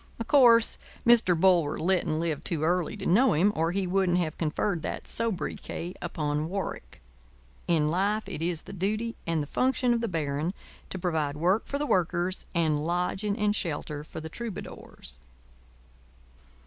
Of course, Mr. Bulwer Lytton lived too early to know him, or he wouldn't have conferred that sobriquet upon Warwick. In life it is the duty and the function of the Baron to provide work for the Workers and lodging and shelter for the Troubadours.